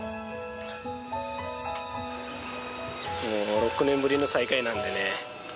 もう６年ぶりの再会なんでね